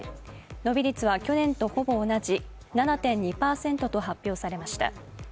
伸び率は去年とほぼ同じ７．２％と発表されました。